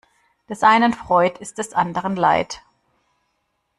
Des einen Freud ist des anderen Leid.